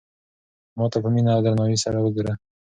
ما ته په مینه او درناوي سره وگوره.